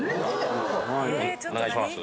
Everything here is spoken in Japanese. お願いします。